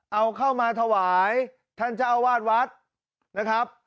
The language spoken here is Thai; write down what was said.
เอาเข้ามาถวายท่านเจ้าอาวาสวัดนะครับ